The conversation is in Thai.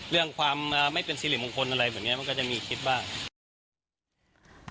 เรื่องความไม่เป็นสิริมงคลอะไรแบบนี้มันก็จะมีคิดบ้าง